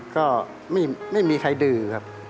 ก็ไม่มีใครดื้อครับ